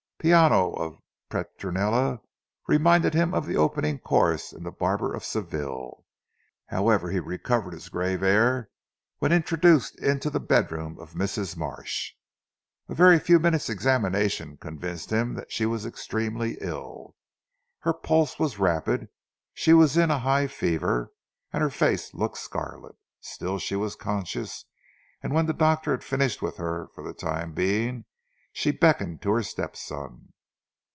Piano" of Petronella reminded him of the opening chorus in the Barber of Seville. However he recovered his grave air when introduced into the bedroom of Mrs. Marsh. A few minutes examination convinced him that she was extremely ill. Her pulse was rapid, she was in a high fever, and her face looked scarlet. Still she was conscious, and when the doctor had finished with her for the time being she beckoned to her step son.